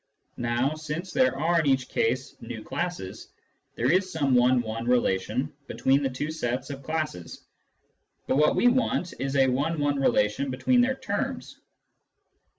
Now, since there are in each case v classes, there is some one one relation between the two sets of classes ; but what we want is a one one relation between their terms.